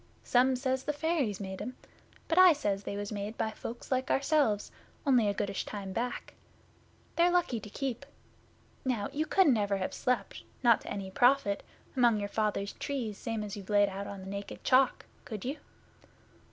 Some says the fairies made 'em, but I says they was made by folks like ourselves only a goodish time back. They're lucky to keep. Now, you couldn't ever have slept not to any profit among your father's trees same as you've laid out on Naked Chalk could you?